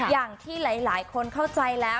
อย่างที่หลายคนเข้าใจแล้ว